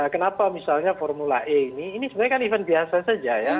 kenapa misalnya formula e ini ini sebenarnya kan event biasa saja ya